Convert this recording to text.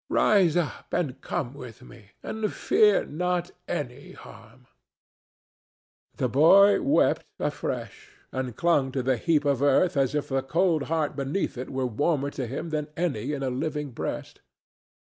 "Rise up and come with me, and fear not any harm." The boy wept afresh, and clung to the heap of earth as if the cold heart beneath it were warmer to him than any in a living breast.